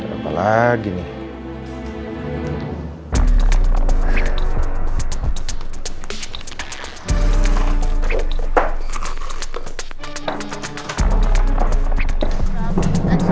gak ada apa lagi nih